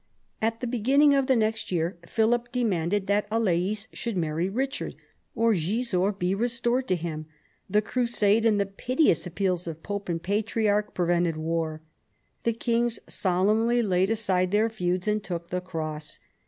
At the beginning of the next year Philip demanded that Alais should marry Eichard, or Gisors be restored to him. The crusade, and the piteous appeals of pope and patriarch, prevented war. The kings solemnly laid aside their feuds and took the cross.